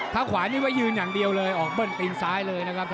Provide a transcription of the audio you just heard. ถ้าขวานี่ไว้ยืนอย่างเดียวเลยออกเบิ้ลปีนซ้ายเลยนะครับ